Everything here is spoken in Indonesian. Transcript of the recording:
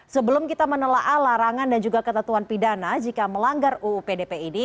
sebelum kita menelaah larangan dan juga ketentuan pidana jika melanggar uu pdp ini